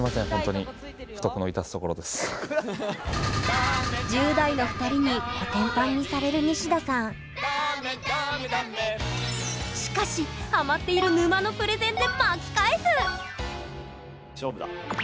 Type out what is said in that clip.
ああああんりさんしかしハマっている沼のプレゼンで巻き返す！